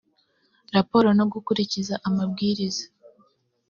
raporo no gukurikiza amabwiriza